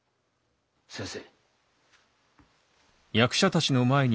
先生。